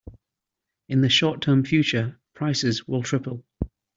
In the short term future, prices will triple.